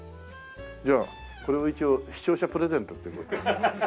じゃあこれを一応視聴者プレゼント。